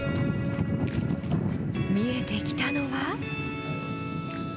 見えてきたのは。